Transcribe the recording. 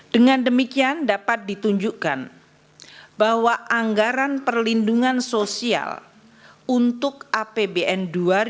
dengan demikian dapat ditunjukkan bahwa anggaran perlindungan sosial untuk apbn dua ribu dua puluh